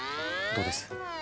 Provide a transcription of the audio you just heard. どうです？